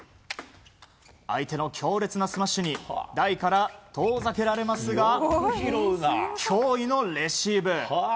相手の強烈なスマッシュに台から遠ざけられますが驚異のレシーブ。